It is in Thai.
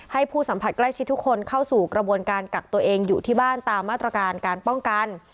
ผู้สัมผัสใกล้ชิดทุกคนเข้าสู่กระบวนการกักตัวเองอยู่ที่บ้านตามมาตรการการป้องกัน